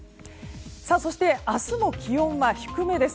そして明日も気温は低めです。